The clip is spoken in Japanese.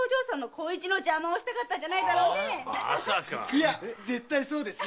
いや絶対そうですぜ！